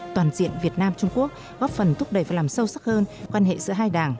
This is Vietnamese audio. toàn diện việt nam trung quốc góp phần thúc đẩy và làm sâu sắc hơn quan hệ giữa hai đảng